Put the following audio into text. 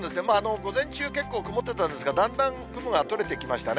午前中、結構曇ってたんですが、だんだん雲が取れてきましたね。